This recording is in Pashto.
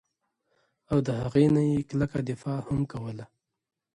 او د هغې نه ئي کلکه دفاع هم کوله